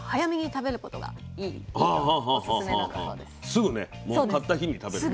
すぐねもう買った日に食べる。